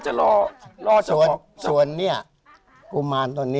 จะรอจะเพาะ